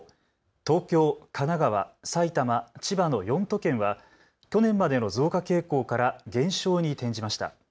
東京、神奈川、埼玉、千葉、の４都県は去年までの増加傾向から減少に転じました。